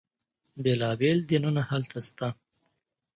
بیلا بیل دینونه هلته شته.